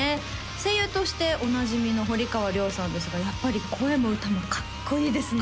声優としておなじみの堀川りょうさんですがやっぱり声も歌もかっこいいですね